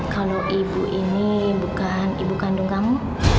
kalau ibu ini bukan ibu kandung kamu